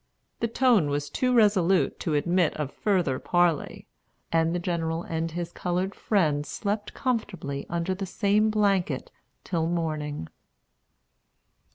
The tone was too resolute to admit of further parley, and the General and his colored friend slept comfortably under the same blanket till morning.